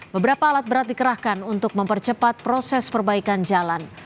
beberapa alat berat dikerahkan untuk mempercepat proses perbaikan jalan